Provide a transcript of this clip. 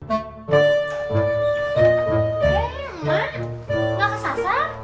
eh emang gak kesasar